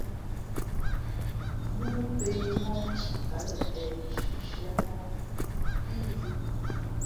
̀mōō pě mōh thi, ǎ lα tēh shishiēmōh pí vhʉ̄.